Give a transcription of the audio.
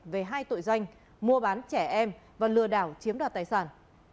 về hai tội danh mua bán trẻ em và lừa đảo chiếm đoạt tài sản